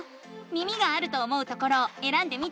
耳があると思うところをえらんでみて。